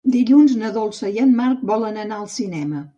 Dilluns na Dolça i en Marc volen anar al cinema.